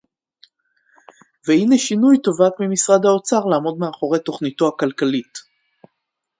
והנה שינוי תובעת ממשרד האוצר לעמוד מאחורי תוכניתו הכלכלית